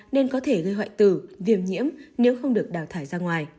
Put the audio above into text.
nên có thể gây hoại tử viêm nhiễm nếu không được đào thải ra ngoài